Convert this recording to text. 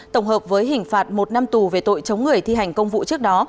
tổng hợp với hình phạt một năm tù về tội chống người thi hành công vụ trước đó